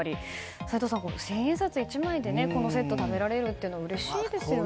齋藤さん、千円札１枚でこのセットが食べられるのはうれしいですよね。